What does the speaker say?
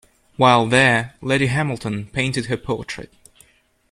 While there, Lady Hamilton painted her portrait.